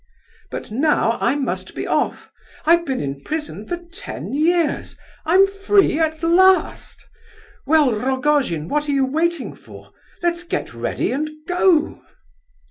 But now I must be off! I've been in prison for ten years. I'm free at last! Well, Rogojin, what are you waiting for? Let's get ready and go."